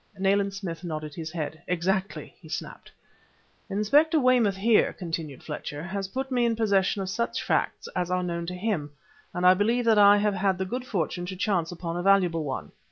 Nayland Smith nodded his head. "Exactly!" he snapped. "Inspector Weymouth, here," continued Fletcher, "has put me in possession of such facts as are known to him, and I believe that I have had the good fortune to chance upon a valuable one."